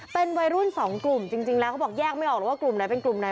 เป็นวัยรุ่นสองกลุ่มจริงแล้วเขาบอกแยกไม่ออกหรอกว่ากลุ่มไหนเป็นกลุ่มไหน